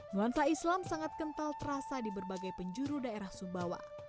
nuansa islam sangat kental terasa di berbagai penjuru daerah sumbawa